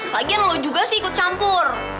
lagian lo juga sih ikut campur